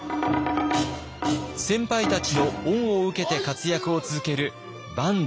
先輩たちの恩を受けて活躍を続ける坂東